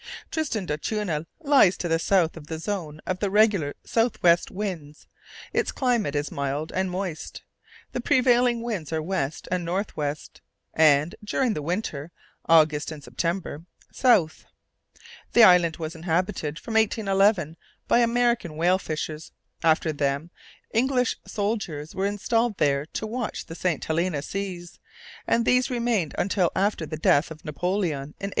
Tristan d'Acunha lies to the south of the zone of the regular south west winds. Its climate is mild and moist. The prevailing winds are west and north west, and, during the winter August and September south. The island was inhabited, from 1811, by American whale fishers. After them, English soldiers were installed there to watch the St. Helena seas, and these remained until after the death of Napoleon, in 1821.